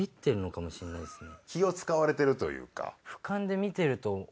気を遣われてるというか。